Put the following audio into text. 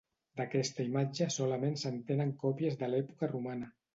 D'aquesta imatge solament se'n tenen còpies de l'època romana.